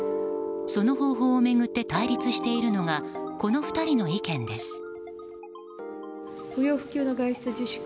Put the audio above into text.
その方法を巡って対立しているのがこの２人の意見です。